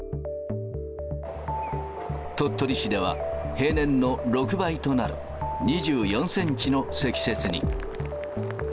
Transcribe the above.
鳥取市では、平年の６倍となる２４センチの積雪に。